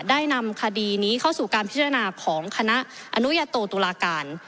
ได้นำคดีนี้เข้าสู่การพิจารณาของคณะอนุญาโตตุลาการ